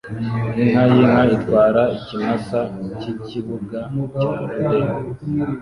Inka yinka itwara ikimasa cyikibuga cya rodeo